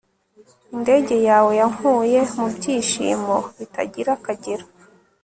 indege yawe yankuye mu byishimo bitagira akagero